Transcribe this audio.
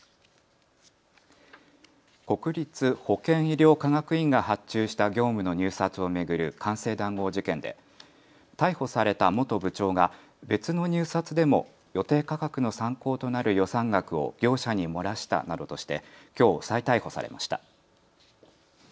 国立保健医療科学院が発注した業務の入札を巡る官製談合事件で逮捕された元部長が別の入札でも予定価格の参考となる予算額を業者に漏らしたなどとしてきょう再逮捕されました。